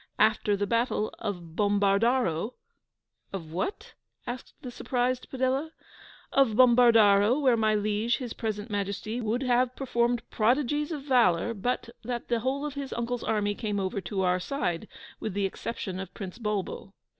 After the battle of Bombardaro ' 'Of what?' asked the surprised Padella. 'Of Bombardaro, where my liege, his present Majesty, would have performed prodigies of velour, but that the whole of his uncle's army came over to our side, with the exception of Prince Bulbo.